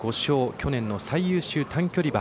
去年の最優秀短距離馬。